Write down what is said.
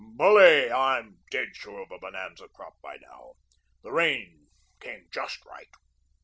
"Bully. I'm dead sure of a bonanza crop by now. The rain came JUST right.